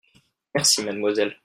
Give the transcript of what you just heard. Merci mademoiselle.